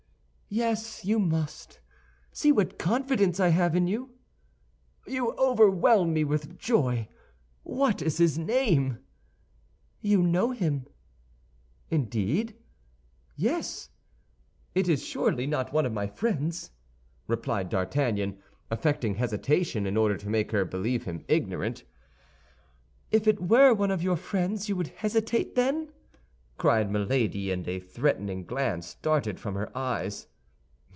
"Yes, you must; see what confidence I have in you!" "You overwhelm me with joy. What is his name?" "You know him." "Indeed." "Yes." "It is surely not one of my friends?" replied D'Artagnan, affecting hesitation in order to make her believe him ignorant. "If it were one of your friends you would hesitate, then?" cried Milady; and a threatening glance darted from her eyes.